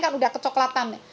kan sudah kecoklatan